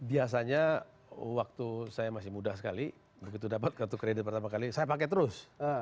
biasanya waktu saya masih muda sekali begitu dapat kartu kredit pertama kali saya pakai terus